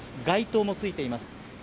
街灯もついています。